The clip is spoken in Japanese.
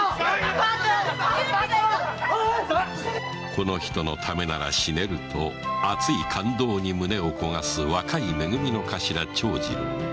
“この人のためなら死ねる”と熱い感動に胸を焦がす若いめ組の頭・長次郎。